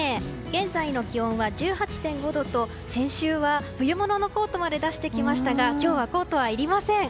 現在の気温は１８．５度と先週は冬物のコートまで出してきましたが今日はコートはいりません。